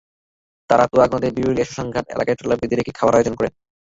তাঁরা তুরাগ নদের বিরুলিয়া শ্মশানঘাট এলাকায় ট্রলার বেঁধে খাওয়ার আয়োজন করেন।